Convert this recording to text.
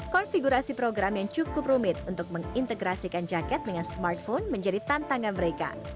konfigurasi program yang cukup rumit untuk mengintegrasikan jaket dengan smartphone menjadi tantangan mereka